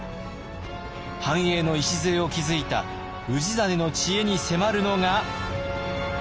繁栄の礎を築いた氏真の知恵に迫るのが。